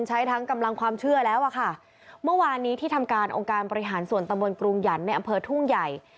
ใช้ทั้งกำลังความเชื่อแล้วอะค่ะเมื่อวานนี้ที่ทำการองค์การบริหารส่วนตำบลกรุงหยันในอำเภอทุ่งใหญ่